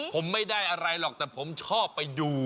ผมไม่ได้อะไรหรอกแต่ผมชอบไปดู